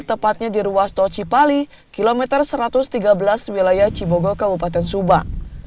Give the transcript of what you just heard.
tepatnya di ruas tol cipali kilometer satu ratus tiga belas wilayah cibogo kabupaten subang